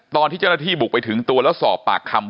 ตอนที่เจ้าหน้าที่บุกไปถึงตัวแล้วสอบปากคำ